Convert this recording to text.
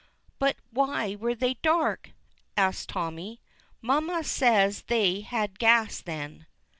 "But why were they dark?" asks Tommy. "Mammy says they had gas then."